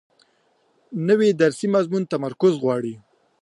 نوې درسي موضوع تمرکز غواړي